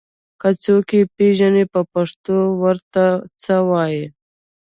که څوک يې پېژني په پښتو ور ته څه وايي